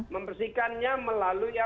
membersihkannya melalui yang lain